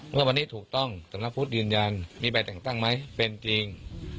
เมื่อวันนี้ถูกต้องสำนักพุทธยืนยันมีใบแต่งตั้งไหมเป็นจริง